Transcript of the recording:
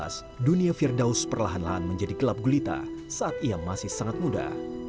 di tahun dua ribu empat belas dunia firdaus perlahan lahan menjadi gelap gulita saat ia masih sangat muda